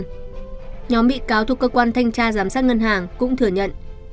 nhóm bị cáo thuộc cơ quan thanh tra giám sát ngân hàng cũng thừa nhận